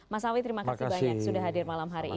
mas awi terima kasih banyak sudah hadir malam hari ini